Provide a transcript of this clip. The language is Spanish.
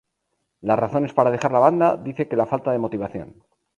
Las razones para dejar la banda dice que la falta de motivación.